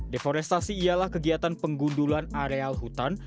deforestasi ialah kegiatan penggundulan arean